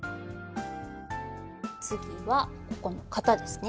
次はここの肩ですね。